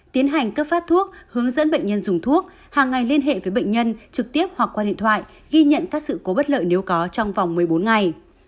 tiến hành cấp phát thuốc hướng dẫn bệnh nhân dùng thuốc hàng ngày liên hệ với bệnh nhân trực tiếp hoặc qua điện thoại ghi nhận các sự cố bất lợi nếu có trong vòng một mươi bốn ngày